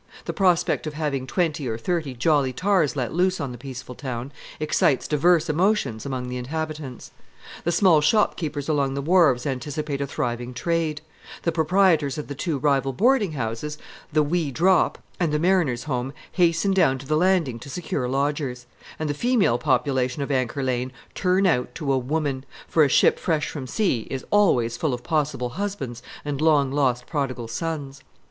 The prospect of having twenty or thirty jolly tars let loose on the peaceful town excites divers emotions among the inhabitants. The small shopkeepers along the wharves anticipate a thriving trade; the proprietors of the two rival boarding houses the "Wee Drop" and the "Mariner's Home" hasten down to the landing to secure lodgers; and the female population of Anchor Lane turn out to a woman, for a ship fresh from sea is always full of possible husbands and long lost prodigal sons.